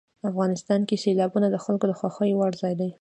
افغانستان کې سیلابونه د خلکو د خوښې وړ ځای دی.